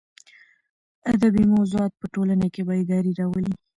ادبي موضوعات په ټولنه کې بېداري راولي.